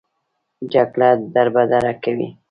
جګړه دربدره کوي